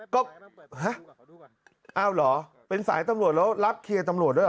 ก็ฮะอ้าวเหรอเป็นสายตำรวจแล้วรับเคลียร์ตำรวจด้วยเห